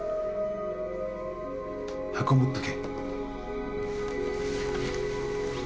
箱持っとけ。